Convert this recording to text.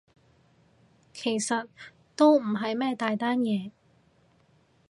其實都唔係咩大單嘢